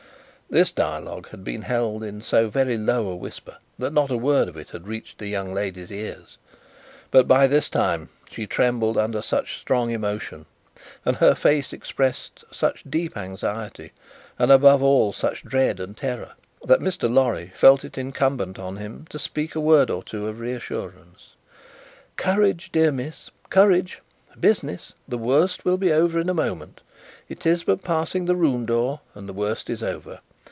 This dialogue had been held in so very low a whisper, that not a word of it had reached the young lady's ears. But, by this time she trembled under such strong emotion, and her face expressed such deep anxiety, and, above all, such dread and terror, that Mr. Lorry felt it incumbent on him to speak a word or two of reassurance. "Courage, dear miss! Courage! Business! The worst will be over in a moment; it is but passing the room door, and the worst is over.